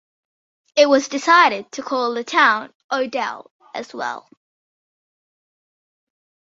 It was decided to call the town Odell as well.